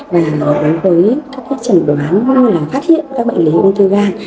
và đối với các trảnh đoán cũng như là phát hiện các bệnh lý uống thư gan